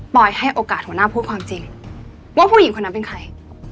ให้โอกาสหัวหน้าพูดความจริงว่าผู้หญิงคนนั้นเป็นใคร